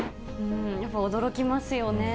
やっぱ驚きますよね。